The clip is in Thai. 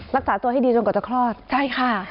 รักษาตัวให้ดีจนกว่าจะคลอดใช่ค่ะ